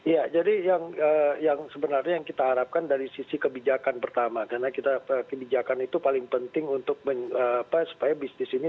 ya jadi yang organization kita harapkan dari sisi kebijakan pertama karena kita kebijakan itu paling penting untuk spesifik di sini